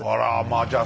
あじゃあ